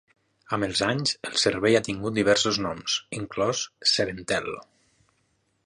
Amb els anys el servei ha tingut diversos noms, inclòs SevenTel.